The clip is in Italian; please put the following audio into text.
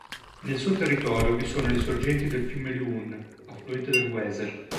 Nel suo territorio vi sono le sorgenti del fiume Lune, affluente del Weser.